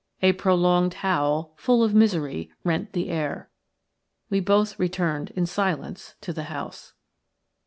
A prolonged howl, full of misery, rent the air. We both returned in silence to the house.